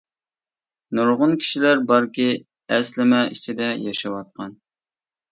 نۇرغۇن كىشىلەر باركى ئەسلىمە ئىچىدە ياشاۋاتقان!